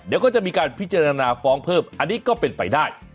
เดี๋ยวก็จะมีการพิจารณาฟ้องเพิ่มอันนี้ก็เป็นไปได้